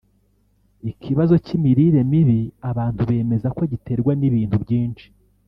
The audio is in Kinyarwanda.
Ikibazo cy’imirire mibi abantu bemeza ko giterwa n’ ibintu byinshi